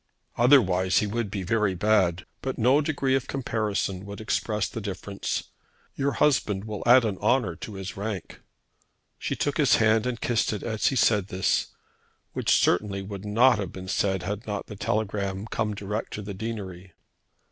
"Otherwise he would be very bad. But no degree of comparison would express the difference. Your husband will add an honour to his rank." She took his hand and kissed it as he said this, which certainly would not have been said had not that telegram come direct to the deanery.